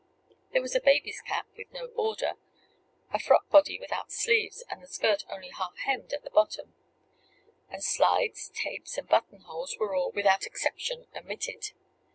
There was a baby's cap with no border, a frock body without sleeves, and the skirt only half hemmed at the bottom; and slides, tapes, and buttonholes were all, without exception, omitted.